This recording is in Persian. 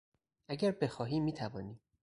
اگر بخواهی میتوانی.